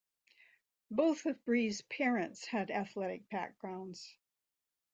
Both of Brees's parents had athletic backgrounds.